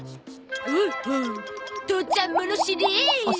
ほうほう父ちゃんものシリー！